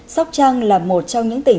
sóc trăng là một trong những tỉnh